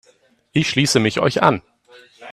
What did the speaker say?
Ich schließe mich euch an.